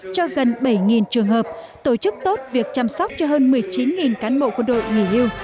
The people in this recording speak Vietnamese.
cho gần bảy trường hợp tổ chức tốt việc chăm sóc cho hơn một mươi chín cán bộ quân đội nghỉ hưu